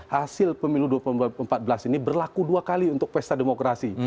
hasil pemilu dua ribu empat belas ini berlaku dua kali untuk pesta demokrasi